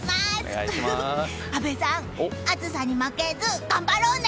阿部さん、暑さに負けず頑張ろうね！